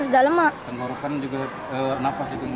dan lurukan juga nafas juga